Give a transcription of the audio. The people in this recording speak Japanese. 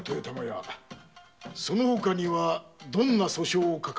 そのほかにはどんな訴訟を抱え込んでおるのだ？